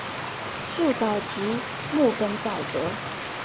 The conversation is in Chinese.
树沼即木本沼泽。